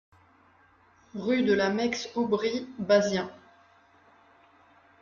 Rue de la Meix Aubry, Bazien